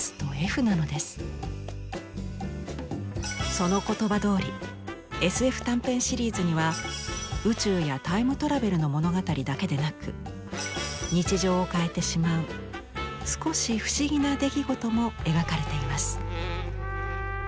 その言葉どおりＳＦ短編シリーズには宇宙やタイムトラベルの物語だけでなく日常を変えてしまう少し不思議な出来事も描かれています。